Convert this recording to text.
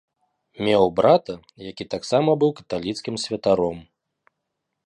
Меў брата, які таксама быў каталіцкім святаром.